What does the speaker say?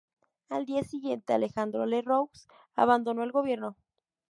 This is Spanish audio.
Al día siguiente, Alejandro Lerroux abandonó el gobierno.